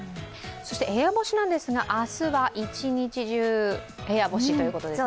部屋干しなんですが、明日は一日中、部屋干しですね。